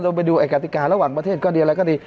ไปดูไอ้กติการะหว่างประเทศก็ดีอะไรก็ดี